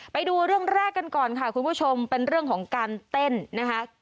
ไปดูเรื่องแรกกันก่อนค่ะคุณผู้ชมเป็นเรื่องของการเต้นนะคะ